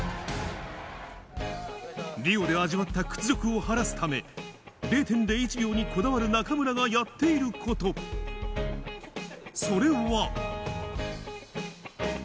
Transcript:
リオで味わった屈辱を晴らすため、０．０１秒にこだわる中村がやっていること、それは。